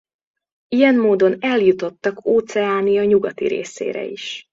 Ilyen módon eljutottak Óceánia nyugati részére is.